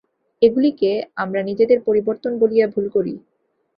এগুলিকে আমরা নিজেদের পরিবর্তন বলিয়া ভুল করি।